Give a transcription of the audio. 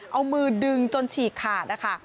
เอามือดึงจนฉีกขาดนะคะ